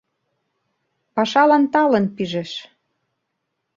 Пашалан талын пижеш.